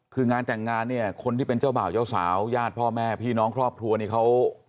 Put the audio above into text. คืองานแต่งงานเนี่ยคนที่เป็นเจ้าบ่าวเจ้าสาวญาติพ่อแม่พี่น้องครอบครัวนี้เขา